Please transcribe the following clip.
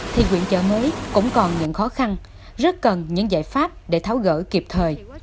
thì quyền chợ mới cũng còn những khó khăn rất cần những giải pháp để tháo gỡ kịp thời